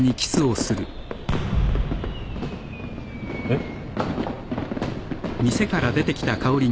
えっ？